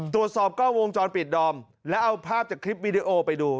ตรวจสอบกล้องวงจรปิดดอมแล้วเอาภาพจากคลิปวิดีโอไปดู